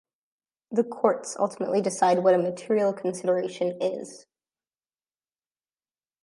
The courts ultimately decide what a material consideration is.